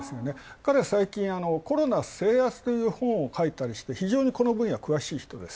彼最近、コロナ制圧という本を書いたりしてこの分野に詳しい人です。